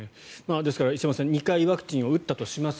ですから、石山さん２回ワクチンを打ったとします。